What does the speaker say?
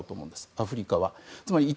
アフリカは。